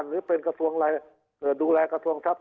หรือเป็นกระทรวงดูแลกระทรวงทรัพย